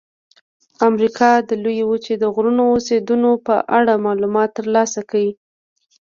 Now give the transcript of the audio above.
د امریکا د لویې وچې د غرونو او سیندونو په اړه معلومات ترلاسه کړئ.